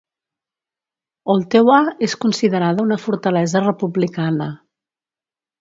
Ooltewah és considerada una fortalesa republicana.